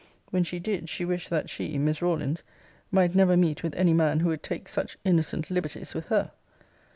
When she did, she wished that she, (Miss Rawlins,) might never meet with any man who would take such innocent liberties with her.